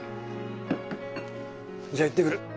じゃあ行ってくる。